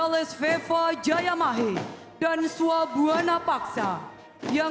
lulusan sekolah perwira prajurit karir tahun dua ribu satu